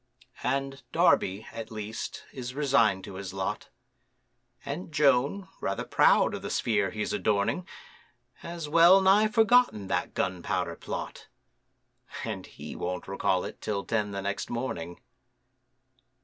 And Darby, at least, is resign'd to his lot, And Joan (rather proud of the sphere he's adorning) Has well nigh forgotten that Gunpowder Plot, And he won't recall it till ten the next morning.